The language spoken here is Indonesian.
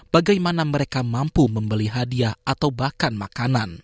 bagaimana mereka mampu membeli hadiah atau bahkan makanan